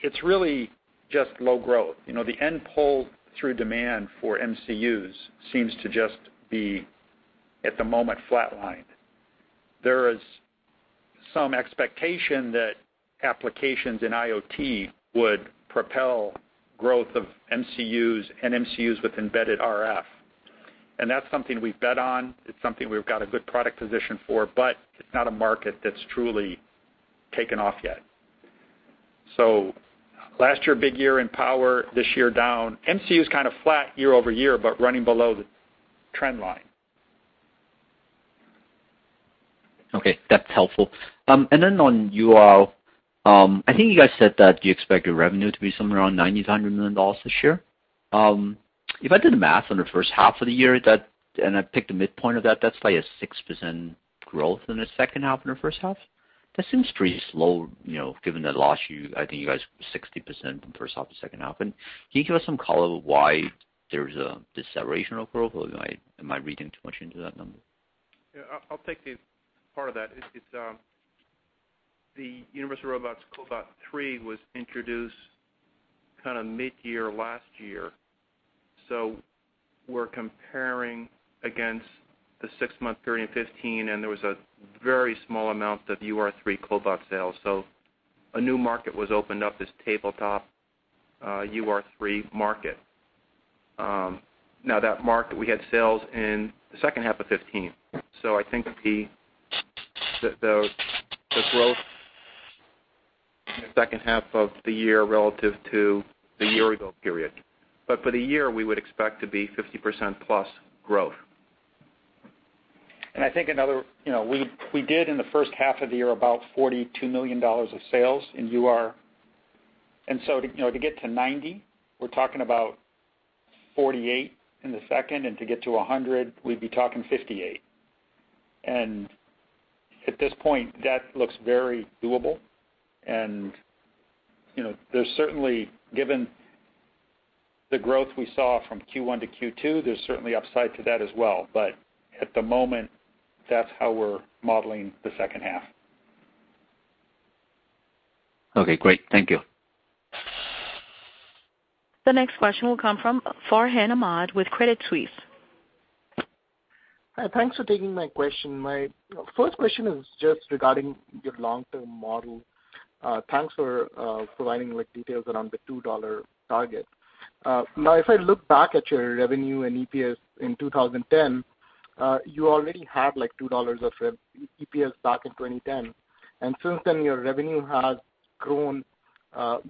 it's really just low growth. The end pull-through demand for MCUs seems to just be, at the moment, flat lined. There is some expectation that applications in IoT would propel growth of MCUs and MCUs with embedded RF. That's something we bet on. It's something we've got a good product position for, but it's not a market that's truly taken off yet. Last year, big year in power, this year down. MCUs kind of flat year-over-year, but running below the trend line. Okay, that's helpful. Then on UR, I think you guys said that you expect your revenue to be somewhere around $90 million-$100 million this year. If I did the math on the first half of the year, and I picked a midpoint of that's like a 6% growth in the second half and the first half. That seems pretty slow, given that last year, I think you guys were 60% from first half to second half. Can you give us some color why there's a deceleration of growth, or am I reading too much into that number? Yeah, I'll take the part of that. It's the Universal Robots UR3 was introduced mid-year last year. We're comparing against the six-month period in 2015, and there was a very small amount of UR3 Cobot sales. A new market was opened up, this tabletop UR3 market. Now, that market, we had sales in the second half of 2015. I think the growth in the second half of the year relative to the year-ago period. But for the year, we would expect to be 50%-plus growth. We did in the first half of the year about $42 million of sales in UR. To get to 90, we're talking about $48 million in the second, to get to 100, we'd be talking $58 million. At this point, that looks very doable, there's certainly, given the growth we saw from Q1 to Q2, there's certainly upside to that as well. At the moment, that's how we're modeling the second half. Okay, great. Thank you. The next question will come from Farhan Ahmad with Credit Suisse. Hi, thanks for taking my question. My first question is just regarding your long-term model. Thanks for providing details around the $2 target. If I look back at your revenue and EPS in 2010, you already had $2 of EPS back in 2010. Since then, your revenue has grown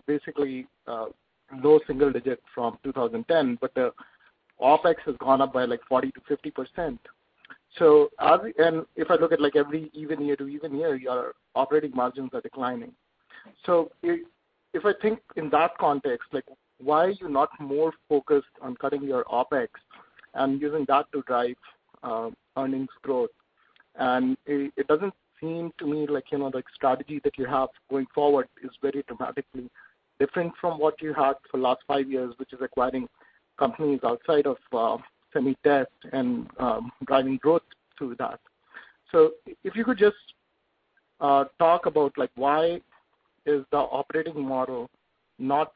basically low single digit from 2010, but the OpEx has gone up by 40%-50%. If I look at every even year to even year, your operating margins are declining. If I think in that context, why are you not more focused on cutting your OpEx and using that to drive earnings growth? It doesn't seem to me like strategy that you have going forward is very dramatically different from what you had for last five years, which is acquiring companies outside of SemiTest and driving growth through that. if you could just talk about why is the operating model not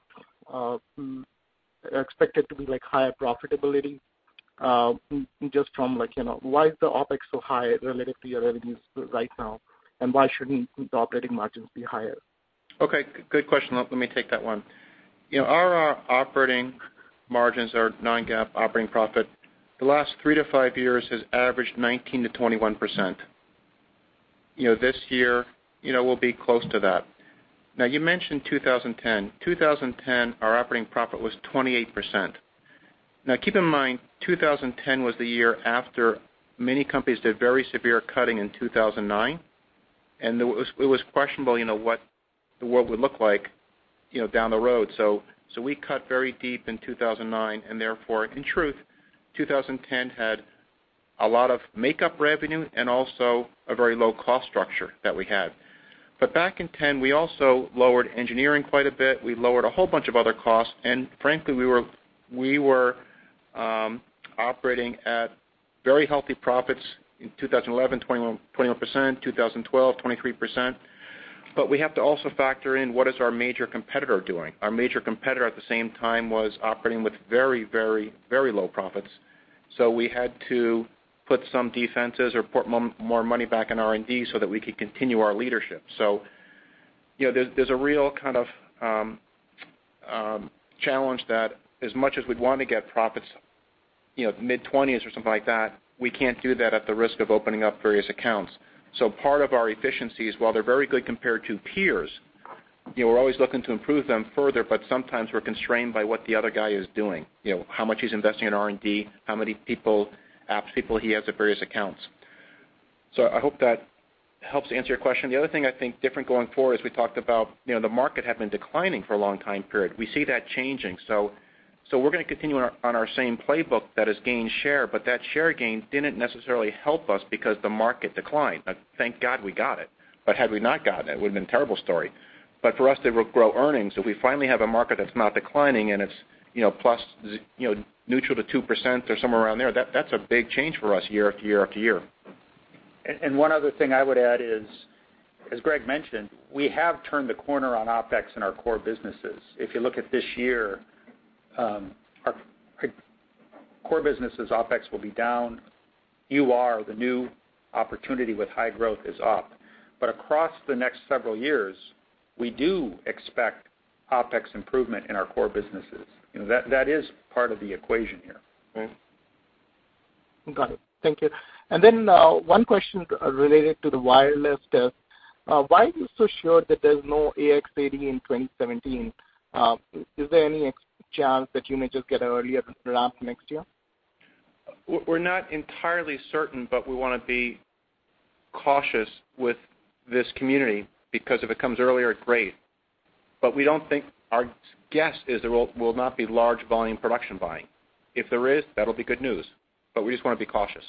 expected to be higher profitability, just from why is the OpEx so high relative to your revenues right now, and why shouldn't the operating margins be higher? Okay, good question. Let me take that one. Our operating margins, our non-GAAP operating profit, the last three to five years has averaged 19%-21%. This year, we'll be close to that. you mentioned 2010. 2010, our operating profit was 28%. keep in mind, 2010 was the year after many companies did very severe cutting in 2009, and it was questionable what the world would look like down the road. we cut very deep in 2009, and therefore, in truth, 2010 had a lot of makeup revenue and also a very low cost structure that we had. back in 2010, we also lowered engineering quite a bit. We lowered a whole bunch of other costs, and frankly, we were operating at very healthy profits in 2011, 21%; 2012, 23%. we have to also factor in what is our major competitor doing. Our major competitor, at the same time, was operating with very low profits. we had to put some defenses or put more money back in R&D so that we could continue our leadership. there's a real kind of challenge that as much as we'd want to get profits mid-20s or something like that, we can't do that at the risk of opening up various accounts. part of our efficiencies, while they're very good compared to peers, we're always looking to improve them further, but sometimes we're constrained by what the other guy is doing. How much he's investing in R&D, how many apps people he has at various accounts. I hope that helps answer your question. The other thing I think different going forward is we talked about the market had been declining for a long time period. We see that changing. we're going to continue on our same playbook that is gain share, that share gain didn't necessarily help us because the market declined. Thank God we got it, had we not gotten it would've been a terrible story. for us to grow earnings, if we finally have a market that's not declining and it's neutral to 2% or somewhere around there, that's a big change for us year after year after year. One other thing I would add is, as Greg mentioned, we have turned the corner on OpEx in our core businesses. If you look at this year, our core business' OpEx will be down. UR, the new opportunity with high growth, is up. Across the next several years, we do expect OpEx improvement in our core businesses. That is part of the equation here. Got it. Thank you. Then one question related to the wireless. Why are you so sure that there's no 802.11ax 802.11ad in 2017? Is there any chance that you may just get an earlier ramp next year? We're not entirely certain, we want to be cautious with this community because if it comes earlier, great. Our guess is there will not be large volume production buying. If there is, that'll be good news. We just want to be cautious.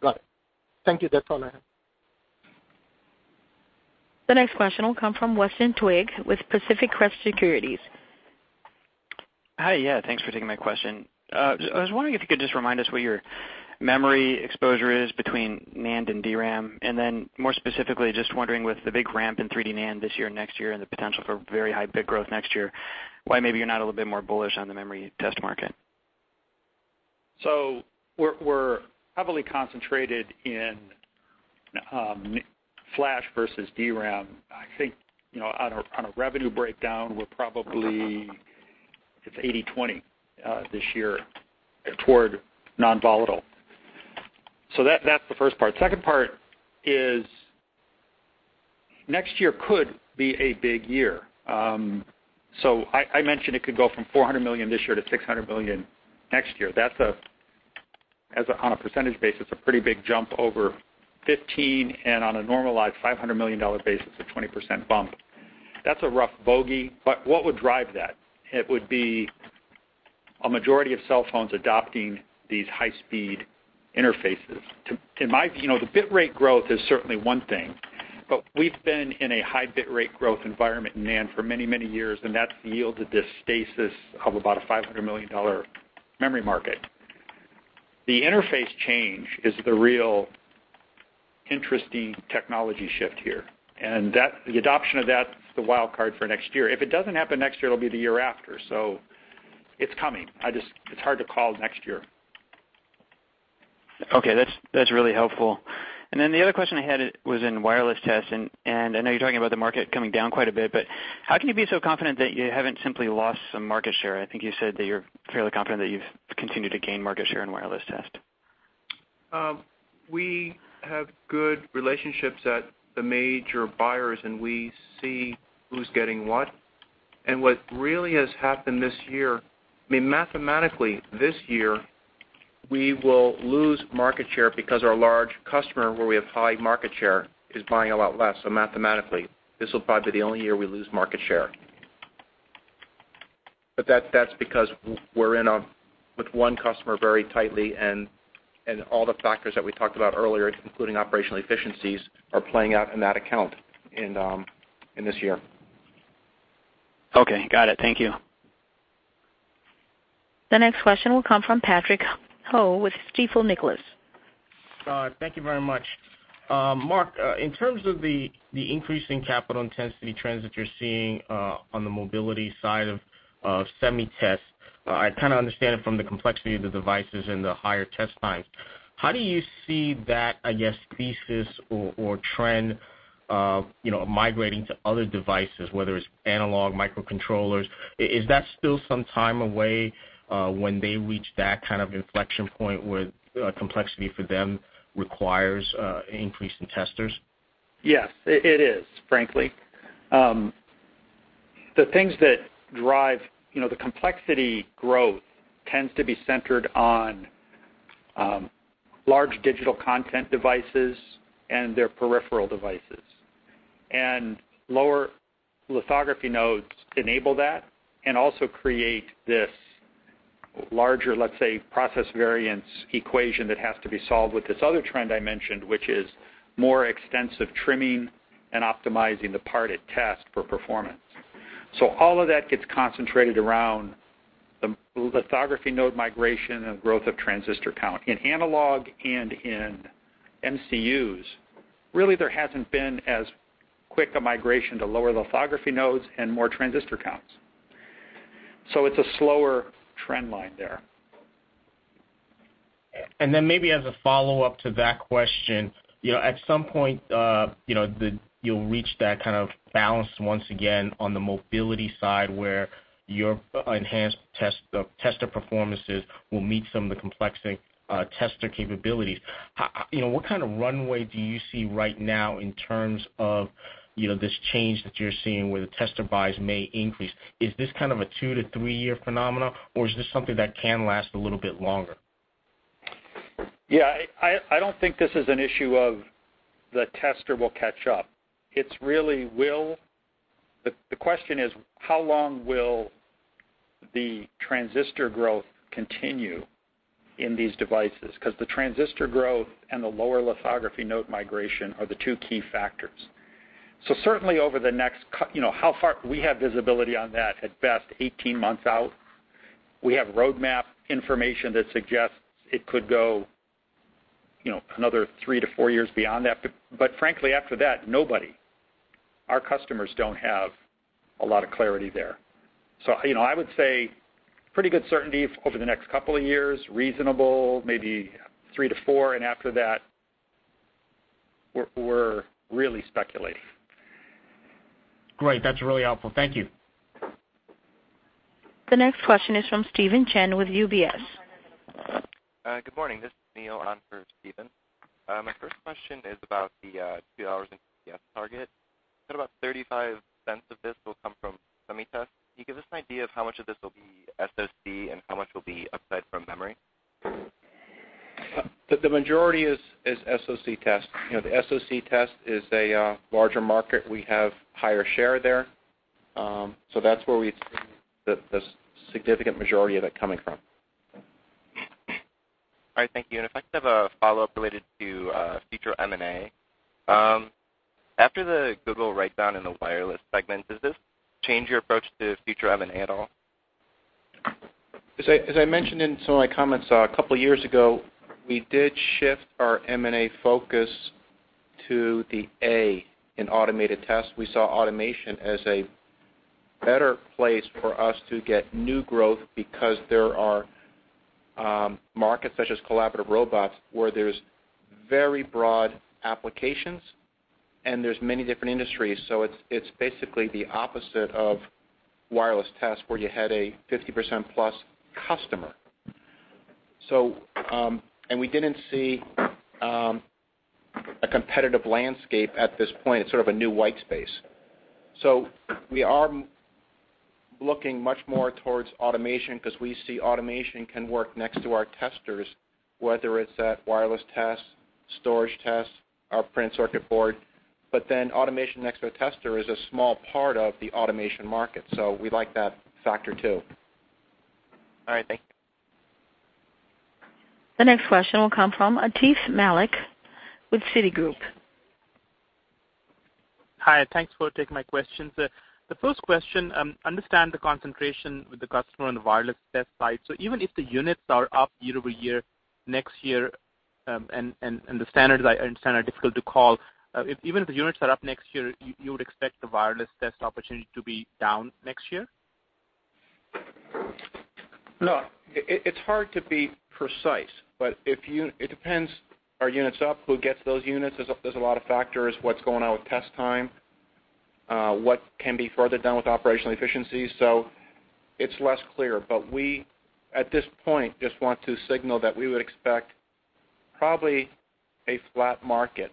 Got it. Thank you. That's all I have. The next question will come from Weston Twigg with Pacific Crest Securities. Hi. Yeah, thanks for taking my question. I was wondering if you could just remind us what your memory exposure is between NAND and DRAM, then more specifically, just wondering with the big ramp in 3D NAND this year and next year and the potential for very high bit growth next year, why maybe you're not a little bit more bullish on the memory test market? We're heavily concentrated in flash versus DRAM. I think, on a revenue breakdown, we're probably, it's 80/20 this year toward non-volatile. That's the first part. Second part is next year could be a big year. I mentioned it could go from $400 million this year to $600 million next year. That's, on a percentage basis, a pretty big jump over 15%, and on a normalized $500 million basis, a 20% bump. That's a rough bogey, but what would drive that? It would be a majority of cell phones adopting these high-speed interfaces. The bit rate growth is certainly one thing, but we've been in a high bit rate growth environment in NAND for many years, and that's yielded this stasis of about a $500 million memory market. The interface change is the real interesting technology shift here, and the adoption of that is the wild card for next year. If it doesn't happen next year, it'll be the year after. It's coming. It's hard to call next year. Okay. That's really helpful. The other question I had was in wireless test. I know you're talking about the market coming down quite a bit, but how can you be so confident that you haven't simply lost some market share? I think you said that you're fairly confident that you've continued to gain market share in wireless test. We have good relationships at the major buyers, and we see who's getting what. What really has happened this year, mathematically this year, we will lose market share because our large customer, where we have high market share, is buying a lot less. Mathematically, this will probably be the only year we lose market share. That's because we're in with one customer very tightly, and all the factors that we talked about earlier, including operational efficiencies, are playing out in that account in this year. Okay. Got it. Thank you. The next question will come from Patrick Ho with Stifel Nicolaus. Thank you very much. Mark, in terms of the increase in capital intensity trends that you're seeing on the mobility side of SemiTest, I kind of understand it from the complexity of the devices and the higher test times. How do you see that thesis or trend migrating to other devices, whether it's analog microcontrollers? Is that still some time away when they reach that kind of inflection point where complexity for them requires an increase in testers? Yes, it is, frankly. The things that drive the complexity growth tends to be centered on large digital content devices and their peripheral devices. Lower lithography nodes enable that and also create this larger, let's say, process variance equation that has to be solved with this other trend I mentioned, which is more extensive trimming and optimizing the part it tests for performance. All of that gets concentrated around the lithography node migration and growth of transistor count. In analog and in MCUs, really there hasn't been as quick a migration to lower lithography nodes and more transistor counts. It's a slower trend line there. Maybe as a follow-up to that question, at some point, you'll reach that kind of balance once again on the mobility side, where your enhanced tester performances will meet some of the complexity tester capabilities. What kind of runway do you see right now in terms of this change that you're seeing where the tester buys may increase? Is this kind of a two- to three-year phenomena, or is this something that can last a little bit longer? I don't think this is an issue of the tester will catch up. The question is how long will the transistor growth continue in these devices? Because the transistor growth and the lower lithography node migration are the two key factors. Certainly over the next, how far we have visibility on that, at best 18 months out. We have roadmap information that suggests it could go another three to four years beyond that. Frankly, after that, nobody, our customers don't have a lot of clarity there. I would say pretty good certainty over the next couple of years, reasonable, maybe three to four, and after that, we're really speculating. Great. That's really helpful. Thank you. The next question is from Steven Chin with UBS. Good morning. This is Neil on for Steven. My first question is about the $2 in EPS target. You said about $0.35 of this will come from SemiTest. Can you give us an idea of how much of this will be SoC and how much will be upside from memory? The majority is SoC test. The SoC test is a larger market. We have higher share there. That's where we see the significant majority of it coming from. All right. Thank you. If I could have a follow-up related to future M&A. After the goodwill write-down in the wireless segment, does this change your approach to future M&A at all? As I mentioned in some of my comments a couple of years ago, we did shift our M&A focus to the A in automated test. We saw automation as a better place for us to get new growth because there are markets such as collaborative robots, where there's very broad applications and there's many different industries. It's basically the opposite of wireless test, where you had a 50%-plus customer. We didn't see a competitive landscape at this point. It's sort of a new white space. We are looking much more towards automation because we see automation can work next to our testers, whether it's at wireless test, storage test, or printed circuit board. Automation next to a tester is a small part of the automation market, so we like that factor, too. All right. Thank you. The next question will come from Atif Malik with Citigroup. Hi, thanks for taking my questions. The first question, understand the concentration with the customer on the wireless test side. Even if the units are up year-over-year next year, and the standards, I understand, are difficult to call. Even if the units are up next year, you would expect the wireless test opportunity to be down next year? Look, it's hard to be precise, but it depends. Are units up? Who gets those units? There's a lot of factors. What's going on with test time? What can be further done with operational efficiency? It's less clear, but we, at this point, just want to signal that we would expect probably a flat market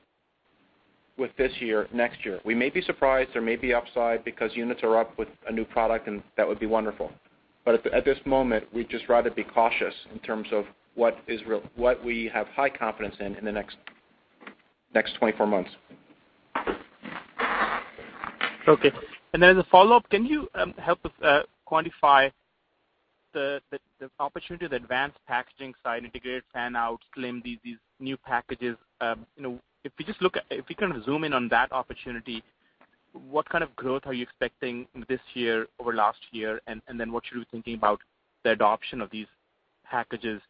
with this year, next year. We may be surprised. There may be upside because units are up with a new product, and that would be wonderful. At this moment, we'd just rather be cautious in terms of what we have high confidence in the next 24 months. Okay. As a follow-up, can you help us quantify the opportunity of the advanced packaging side, integrated fan out, slim, these new packages? If you kind of zoom in on that opportunity, what kind of growth are you expecting this year over last year? What should we be thinking about the adoption of these packages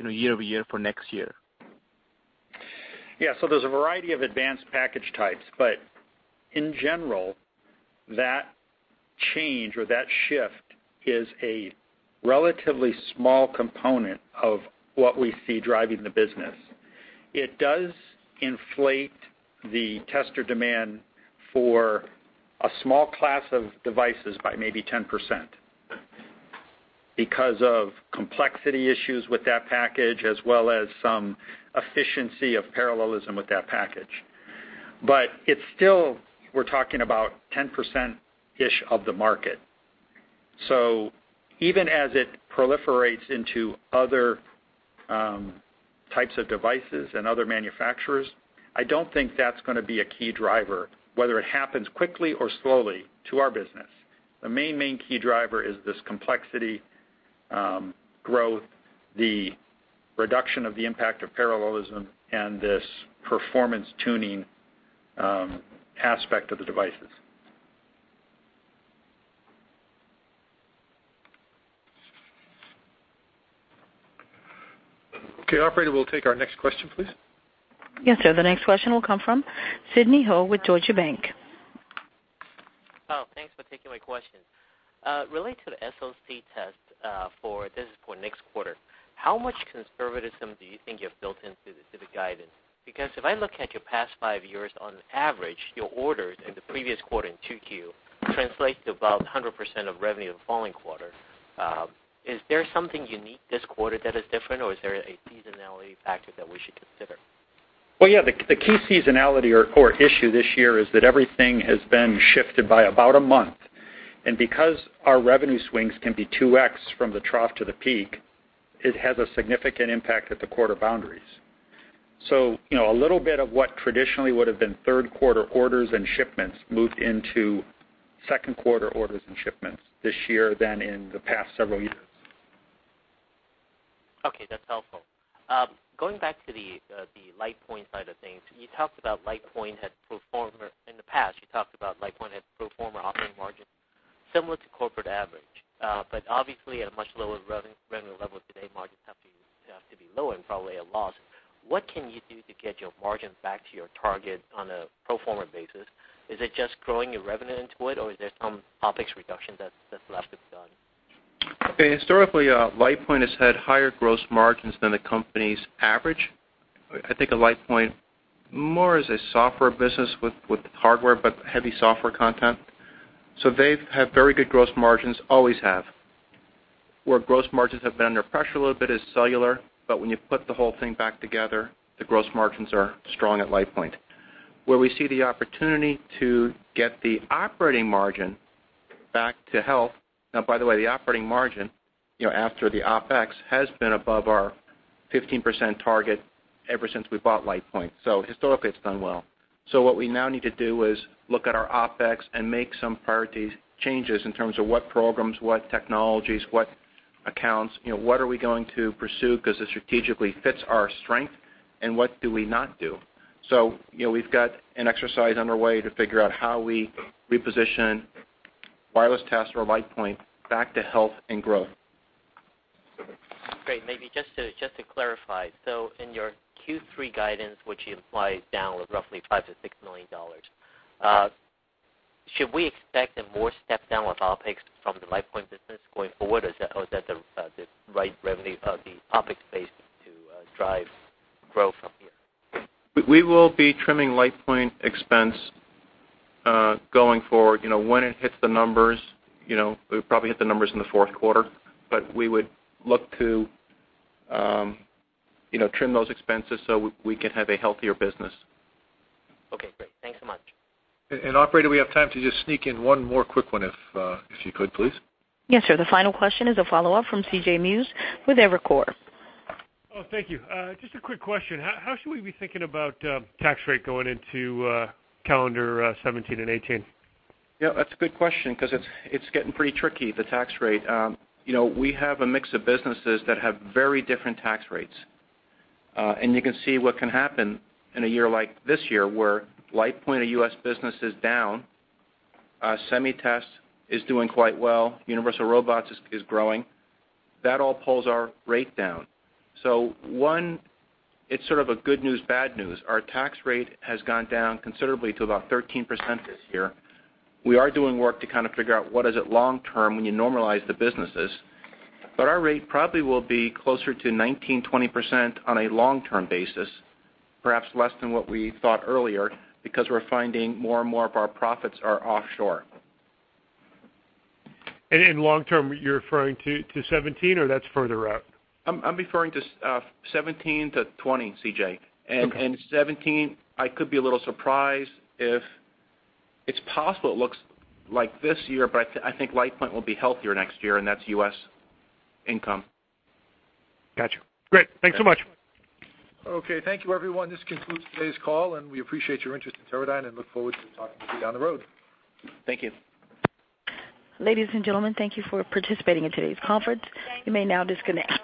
year-over-year for next year? Yeah. There's a variety of advanced package types, but in general, that change or that shift is a relatively small component of what we see driving the business. It does inflate the tester demand for a small class of devices by maybe 10%, because of complexity issues with that package, as well as some efficiency of parallelism with that package. It's still, we're talking about 10%-ish of the market. Even as it proliferates into other types of devices and other manufacturers, I don't think that's going to be a key driver, whether it happens quickly or slowly to our business. The main key driver is this complexity growth, the reduction of the impact of parallelism, and this performance tuning aspect of the devices. Okay, operator, we'll take our next question, please. Yes, sir. The next question will come from Sidney Ho with Deutsche Bank. Oh, thanks for taking my question. Related to the SoC test, this is for next quarter, how much conservatism do you think you have built into the guidance? If I look at your past five years, on average, your orders in the previous quarter, in 2Q, translate to about 100% of revenue in the following quarter. Is there something unique this quarter that is different, or is there a seasonality factor that we should consider? Well, yeah, the key seasonality or core issue this year is that everything has been shifted by about a month. Because our revenue swings can be 2x from the trough to the peak, it has a significant impact at the quarter boundaries. A little bit of what traditionally would have been third quarter orders and shipments moved into second quarter orders and shipments this year than in the past several years. Okay. That's helpful. Going back to the LitePoint side of things. In the past, you talked about LitePoint had pro forma operating margin similar to corporate average. Obviously at a much lower revenue level today, margins have to be low and probably a loss. What can you do to get your margin back to your target on a pro forma basis? Is it just growing your revenue into it, or is there some OpEx reduction that's left to be done? Historically, LitePoint has had higher gross margins than the company's average. I think of LitePoint more as a software business with hardware, but heavy software content. They've had very good gross margins, always have. Where gross margins have been under pressure a little bit is cellular, but when you put the whole thing back together, the gross margins are strong at LitePoint. Where we see the opportunity to get the operating margin back to health, now, by the way, the operating margin, after the OpEx, has been above our 15% target ever since we bought LitePoint. Historically, it's done well. What we now need to do is look at our OpEx and make some priority changes in terms of what programs, what technologies, what accounts, what are we going to pursue because it strategically fits our strength and what do we not do? We've got an exercise underway to figure out how we reposition wireless tests or LitePoint back to health and growth. Great. Maybe just to clarify. In your Q3 guidance, which implies down roughly $5 million-$6 million, should we expect a more step down with OpEx from the LitePoint business going forward? Or is that the right revenue of the OpEx base to drive growth from here? We will be trimming LitePoint expense, going forward. When it hits the numbers, we'll probably hit the numbers in the fourth quarter. We would look to trim those expenses so we can have a healthier business. Okay, great. Thanks so much. Operator, we have time to just sneak in one more quick one if you could, please. Yes, sir. The final question is a follow-up from CJ Muse with Evercore. Thank you. Just a quick question. How should we be thinking about tax rate going into calendar 2017 and 2018? Yeah, that's a good question because it's getting pretty tricky, the tax rate. We have a mix of businesses that have very different tax rates. You can see what can happen in a year like this year where LitePoint, a U.S. business, is down. SemiTest is doing quite well. Universal Robots is growing. That all pulls our rate down. One, it's sort of a good news, bad news. Our tax rate has gone down considerably to about 13% this year. We are doing work to kind of figure what is it long-term when you normalize the businesses, but our rate probably will be closer to 19%, 20% on a long-term basis. Perhaps less than what we thought earlier, because we're finding more and more of our profits are offshore. In long-term, you're referring to 2017 or that's further out? I'm referring to 2017 to 2020, CJ. Okay. 2017, I could be a little surprised if it's possible it looks like this year, but I think LitePoint will be healthier next year, and that's U.S. income. Got you. Great. Thanks so much. Okay. Thank you, everyone. This concludes today's call, and we appreciate your interest in Teradyne and look forward to talking with you down the road. Thank you. Ladies and gentlemen, thank you for participating in today's conference. You may now disconnect.